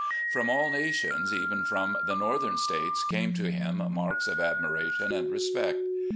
From all nations, even from the Northern States, came to him marks of admiration and respect.